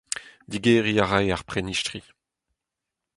Digeriñ a rae ar prenistri.